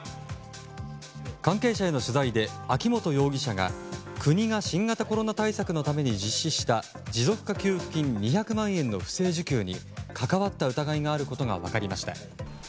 関係者への取材で、秋本容疑者が国が新型コロナ対策のために実施した持続化給付金２００万円の不正受給に関わった疑いがあることが分かりました。